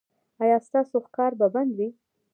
ایا ستاسو ښکار به بند وي؟